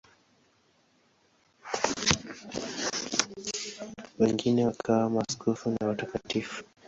Wengine wakawa maaskofu na watakatifu.